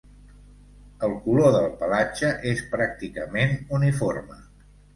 El color del pelatge és pràcticament uniforme.